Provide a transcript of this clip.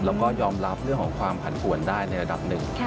แล้วก็ยอมรับเรื่องของความผันผวนได้ในระดับหนึ่ง